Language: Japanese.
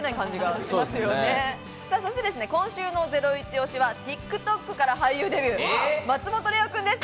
そして今週のゼロイチ推しはＴｉｋＴｏｋから俳優デビュー、松本怜生君です。